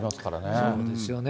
そうなんですよね。